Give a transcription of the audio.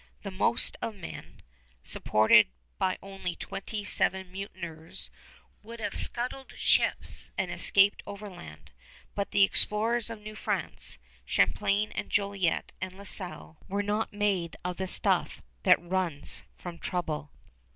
The most of men, supported by only twenty seven mutineers, would have scuttled ships and escaped overland, but the explorers of New France, Champlain and Jolliet and La Salle, were not made of the stuff that runs from trouble.